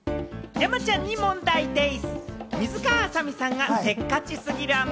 山ちゃんに問題でぃす！